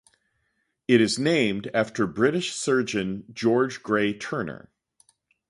It is named after British surgeon George Grey Turner.